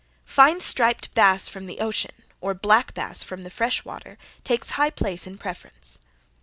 Fine striped bass from the ocean, or black bass from the fresh water takes high place in preference.